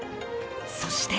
そして。